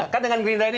kan dengan gerinda ini